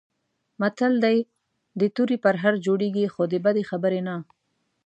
متل دی: د تورې پرهر جوړېږي، خو د بدې خبرې نه.